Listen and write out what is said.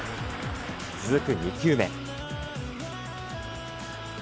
続く２球目。